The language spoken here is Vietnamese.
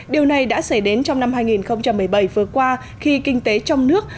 điều này đã xảy đến trong năm hai nghìn một mươi bảy vừa qua khi kinh tế trong nước